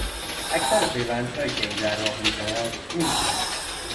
اکثر پیوندهایی که این جراح میزند میگیرد.